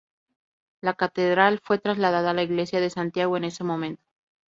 La catedral fue trasladado a la Iglesia de Santiago en ese momento.